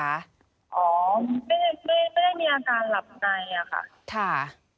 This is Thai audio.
อ๋อไม่ไม่ไม่ได้มีอาการหลับในอะค่ะค่ะ